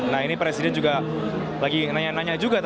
nah ini presiden juga lagi nanya nanya juga